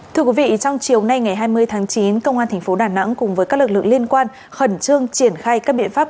thưa quý vị trong chiều nay ngày hai mươi tháng chín công an tp đà nẵng cùng với các lực lượng liên quan khẩn trương triển khai các biện pháp